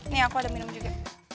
nih aku udah minum juga